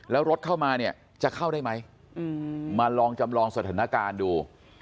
แล้วรถเข้ามาเนี่ยจะเข้าได้ไหมมาลองจำลองสถานการณ์ดู